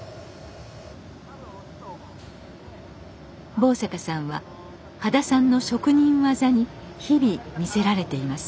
坊坂さんは羽田さんの職人技に日々魅せられています。